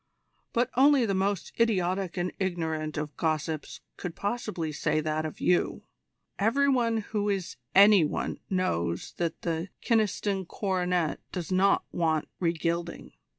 "But only the most idiotic and ignorant of gossips could possibly say that of you. Every one who is any one knows that the Kyneston coronet does not want re gilding."